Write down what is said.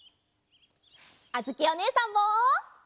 あづきおねえさんも！